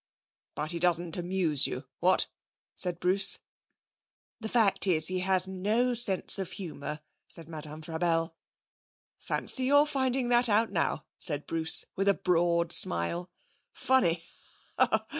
'But he doesn't amuse you what?' said Bruce. 'The fact is, he has no sense of humour,' said Madame Frabelle. 'Fancy your finding that out now!' said Bruce, with a broad smile. 'Funny!